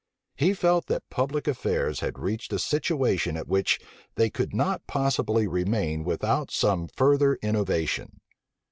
He felt that public affairs had reached a situation at which they could not possibly remain without some further innovation.